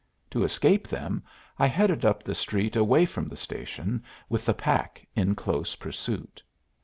To escape them, I headed up the street away from the station, with the pack in close pursuit.